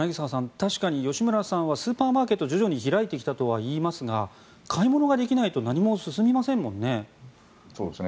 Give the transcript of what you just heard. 確かに吉村さんはスーパーマーケットが徐々に開いてきたとは言いますが買い物ができないと何も進みませんもんね。